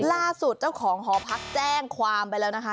ล่าสุดเจ้าของหอพักแจ้งความไปแล้วนะคะ